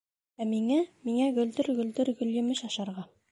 — Ә миңә, миңә гөлдөр-гөлдөр гөлйемеш ашарға...